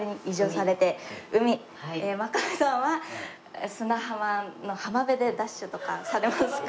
真壁さんは砂浜の浜辺でダッシュとかされますか？